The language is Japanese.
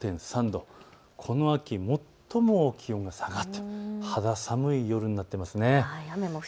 １５．３度、この秋最も気温が下がっている、肌寒い夜になっています。